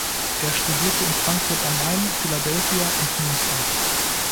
Er studierte in Frankfurt am Main, Philadelphia und Münster.